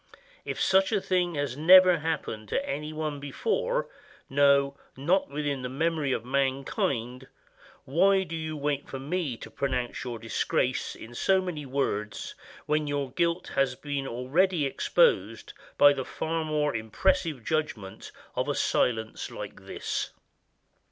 If such a thing has never happened to any one before, no, not within the memory of mankind, why do you wait for me to pronounce your disgrace in so many words when your guilt has been already exposed by the far more impressive judgment of a silence like this?